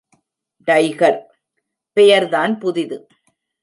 Tiger! பெயர் தான் புதிது.